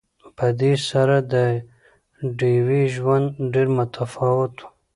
په دې سره د ډیوې ژوند ډېر متفاوت وو